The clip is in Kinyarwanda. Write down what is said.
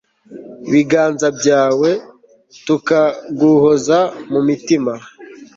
biganza byawe, tukaguhoza mu mitima